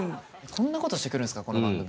こんなことしてくるんすかこの番組。